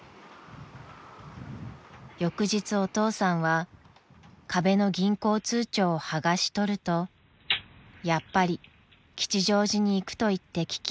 ［翌日お父さんは壁の銀行通帳を剥がし取るとやっぱり吉祥寺に行くと言って聞きません］